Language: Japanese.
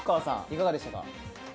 いかがでしたか？